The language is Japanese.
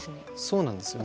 そうなんですよね。